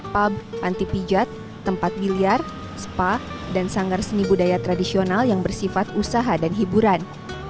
pub anti pijat tempat biliar spa dan sanggar seni budaya tradisional yang bersifat usaha dan hiburan